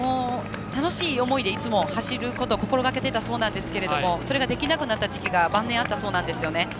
楽しい思いでいつも走ることを心がけていたそうなんですがそれができなくなった時期が晩年あったそうなんですよね。